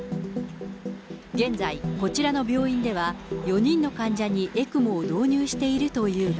現在、こちらの病院では、４人の患者にＥＣＭＯを導入しているというが。